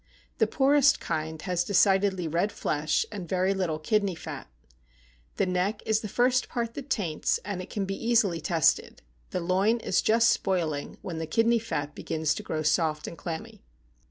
The poorest kind has decidedly red flesh, and very little kidney fat. The neck is the first part that taints, and it can easily be tested; the loin is just spoiling when the kidney fat begins to grow soft and clammy.